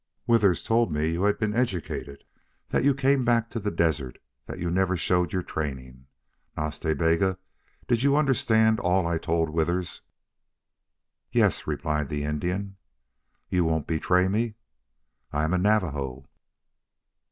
"Withers told me you had been educated, that you came back to the desert, that you never showed your training.... Nas Ta Bega, did you understand all I told Withers?" "Yes," replied the Indian. "You won't betray me?" "I am a Navajo."